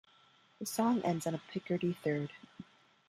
The song ends on a Picardy third.